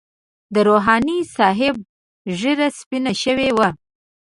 د رحماني صاحب ږیره سپینه شوې وه.